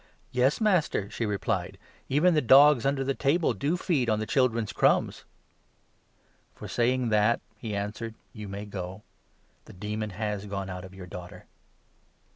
" Yes, Master," she replied ; "even the dogs under the table 28 do feed on the children's crumbs." "For saying that," he answered, "you may go. The 29 demon has gone out of your daughter."